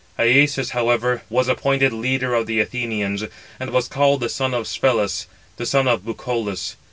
Iasus, however, was appointed leader of the Athenians, and was called the son of Sphelus, the son of Bucolus.